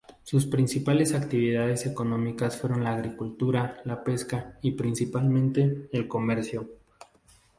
Sus principales actividades económicas fueron la agricultura, la pesca y, principalmente, el comercio.